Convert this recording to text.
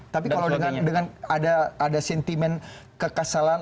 tapi kalau dengan ada sentimen kekesalan